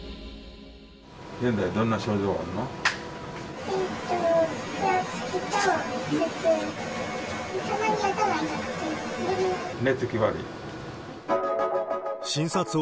現在、どんな症状あるの？